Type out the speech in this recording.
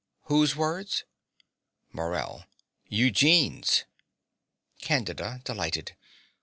Whose words? MORELL. Eugene's. CANDIDA (delighted).